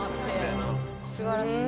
素晴らしい。